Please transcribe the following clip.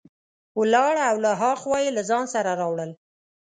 ولاړ او له ها خوا یې له ځان سره راوړل.